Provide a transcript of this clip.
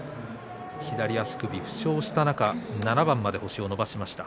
左足首を負傷した中７番まで星を伸ばしました。